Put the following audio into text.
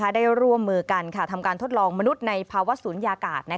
ได้ร่วมมือกันทำการทดลองมนุษย์ในภาวะศูนยากาศ